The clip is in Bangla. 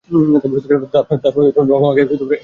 তার বাবা তাকে গানের তাল এবং মাত্রা শিখিয়েছিলেন।